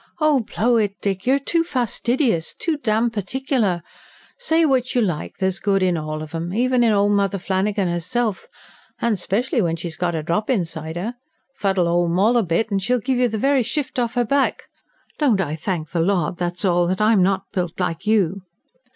"Oh, blow it, Dick, you're too fastidious too damned particular! Say what you like, there's good in all of 'em even in old Mother Flannigan 'erself and 'specially when she's got a drop inside 'er. Fuddle old Moll a bit, and she'd give you the very shift off her back. Don't I thank the Lord, that's all, I'm not built like you!